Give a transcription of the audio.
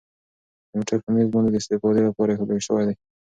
کمپیوټر په مېز باندې د استفادې لپاره اېښودل شوی دی.